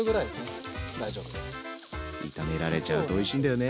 炒められちゃうとおいしいんだよね。